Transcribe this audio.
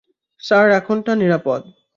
Sir, এখানটা নিরাপদ।